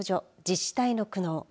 自治体の苦悩